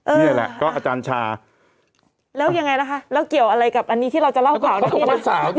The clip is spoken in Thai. นี่แหละก็อาจารย์ชาแล้วยังไงนะคะแล้วเกี่ยวอะไรกับอันนี้ที่เราจะเล่าข่าวได้